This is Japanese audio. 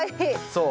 そう。